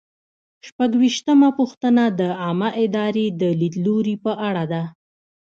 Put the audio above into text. شپږویشتمه پوښتنه د عامه ادارې د لیدلوري په اړه ده.